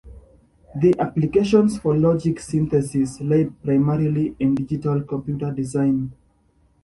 The applications for logic synthesis lay primarily in digital computer design.